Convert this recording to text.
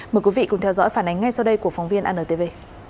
mời quý vị cùng theo dõi phản ánh ngay sau đây của phóng viên antv